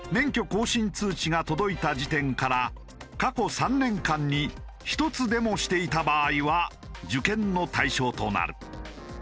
免許更新通知が届いた時点から過去３年間に１つでもしていた場合は受検の対象となる。